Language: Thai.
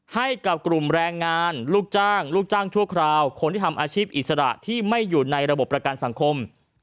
ให้กับกลุ่มแรงงานลูกจ้างลูกจ้างชั่วคราวคนที่ทำอาชีพอิสระที่ไม่อยู่ในระบบประกันสังคม